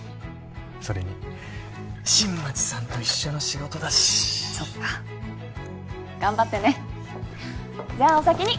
それに新町さんと一緒の仕事だしそっか頑張ってねじゃお先に！